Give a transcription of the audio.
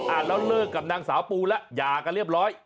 แล้วเลิกกับนางสาวปูแล้วหย่ากันเรียบร้อย